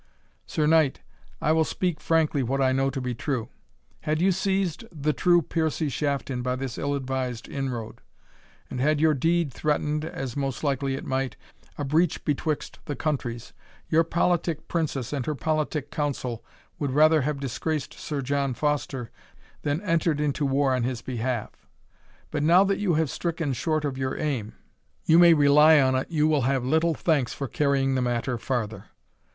Sir Knight, I will speak frankly what I know to be true. Had you seized the true Piercie Shafton by this ill advised inroad; and had your deed threatened, as most likely it might, a breach betwixt the countries, your politic princess and her politic council would rather have disgraced Sir John Foster than entered into war in his behalf. But now that you have stricken short of your aim, you may rely on it you will have little thanks for carrying the matter farther.